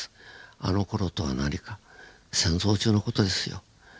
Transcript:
「あのころ」とは何か戦争中の事ですよ。